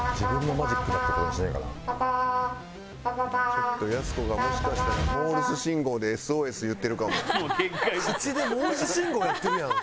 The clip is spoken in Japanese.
ちょっとやす子がもしかしたら口でモールス信号やってるやん。